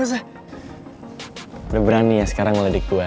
udah berani ya sekarang ngeledek gue